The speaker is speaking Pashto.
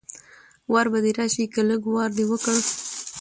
وار به دې راشي که لږ وار دې وکړ